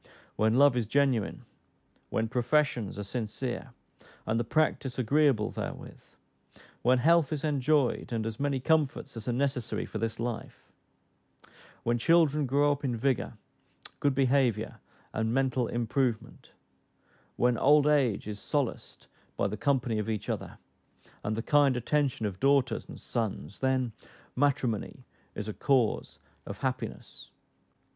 When love is genuine; when professions are sincere, and the practice agreeable therewith; when health is enjoyed, and as many comforts as are necessary for this life; when children grow up in vigor, good behaviour, and mental improvement; when old age is solaced by the company of each other, and the kind attention of daughters and sons; then matrimony is a cause of happiness.